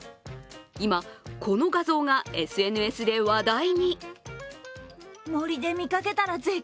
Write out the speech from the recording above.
今、この画像がＳＮＳで話題に。